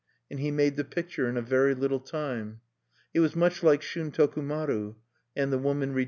And he made the picture in a very little time. It was much like Shuntoku maru; and the woman rejoiced as she departed.